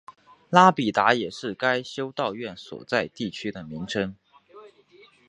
拉比达也是该修道院所在地区的名称。